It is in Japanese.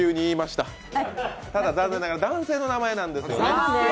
ただ残念ながら、男性の名前なんですよ。